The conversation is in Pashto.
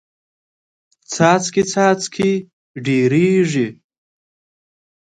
څاڅکې څاڅکې ډېریږي.